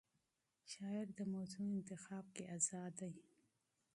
شاعر د موضوع انتخاب کې آزاد دی.